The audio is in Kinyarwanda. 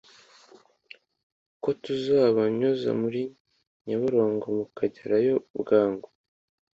ko tuzabanyuza muri Nyabarongo mukagerayo bwangu